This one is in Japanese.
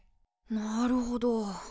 なるほど。